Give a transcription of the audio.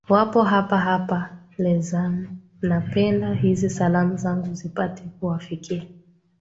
wapo hapa hapa lenzamu napenda hizi salamu zangu zipate kuwafikia